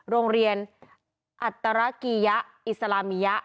โรงเรียนอัตรกียะอิสลามิยะ